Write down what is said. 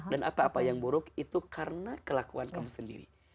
dan apa apa yang buruk itu karena kelakuan kamu sendiri